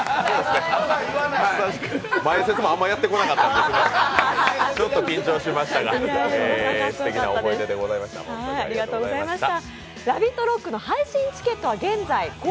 前説もあんまやってこなかったんでちょっと緊張しましたが、すてきな思い出でございます、ありがとうございました。